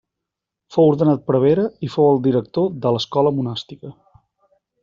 Fou ordenat prevere i fou el director de l'escola monàstica.